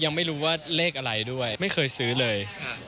ยังไม่รู้ว่าเลขอะไรด้วยไม่เคยซื้อเลย